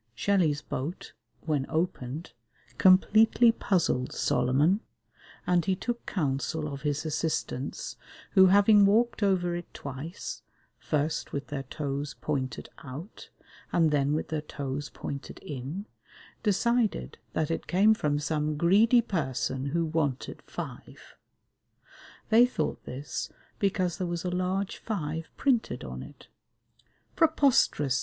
Shelley's boat, when opened, completely puzzled Solomon, and he took counsel of his assistants, who having walked over it twice, first with their toes pointed out, and then with their toes pointed in, decided that it came from some greedy person who wanted five. They thought this because there was a large five printed on it. "Preposterous!"